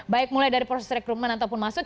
baik mulai dari proses rekomen ataupun masuk